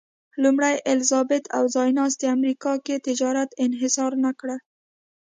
لومړۍ الیزابت او ځایناستي امریکا کې تجارت انحصار نه کړل.